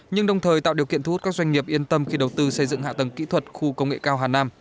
nhưng đồng thời tạo điều kiện thu hút các doanh nghiệp yên tâm khi đầu tư xây dựng hạ tầng kỹ thuật khu công nghệ cao hà nam